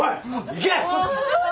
行け！